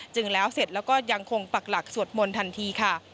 แล้วเสร็จแล้วก็ยังคงปักหลักสวดมนต์ทันทีค่ะ